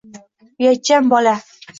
Uyatchan bola